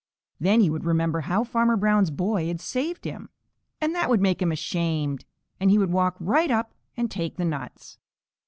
Then he would remember how Farmer Brown's boy had saved him, and that would make him ashamed, and he would walk right up and take the nuts.